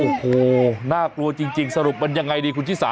โอ้โหน่ากลัวจริงสรุปมันยังไงดีคุณชิสา